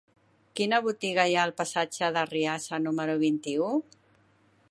Quina botiga hi ha al passatge d'Arriassa número vint-i-u?